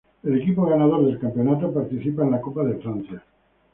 El equipo ganador del campeonato participa en la Copa de Francia.